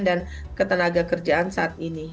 dan ketenaga kerjaan saat ini